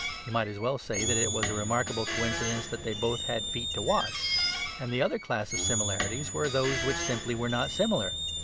You might as well say that it was a remarkable coincidence that they both had feet to wash. And the other class of similarities were those which simply were not similar.